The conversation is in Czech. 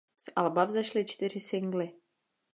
Z alba vzešly čtyři singly.